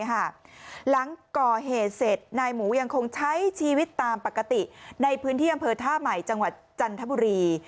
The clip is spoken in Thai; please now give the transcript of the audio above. หลังก่อเหตุเสร็จนายหมูยังคงใช้ชีวิตตามปกติในพื้นที่อำเภอท่าใหม่จังหวัดจันทบุรี